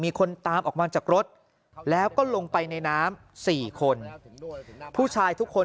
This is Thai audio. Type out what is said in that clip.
มีคนตามออกมาจากรถแล้วก็ลงไปในน้ำสี่คนผู้ชายทุกคน